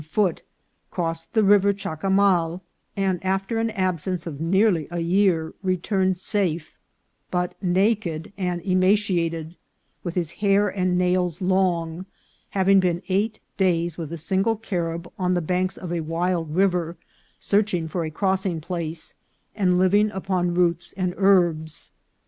foot, crossed the River Chacamal, and after an absence of nearly a year returned safe, but naked and emacia ted, with his hair and nails long, having been eight days with a single Carib on the banks of a wild river, search ing for a crossing place, and living upon roots and herbs.